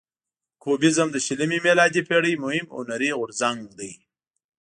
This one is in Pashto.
کوبیزم د شلمې میلادي پیړۍ مهم هنري غورځنګ دی.